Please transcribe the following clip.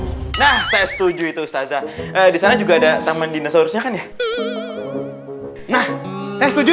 itu saya setuju itu ustadz di sana juga ada taman dinosaurusnya kan ya nah saya setuju